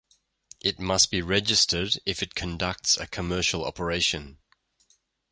It must be registered if it "conducts a commercial operation".